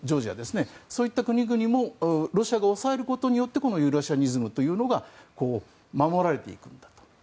そういった国々もロシアが抑えることによってこのユーラシアニズムというのが守られていくんだと。